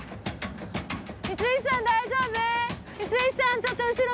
光石さん大丈夫？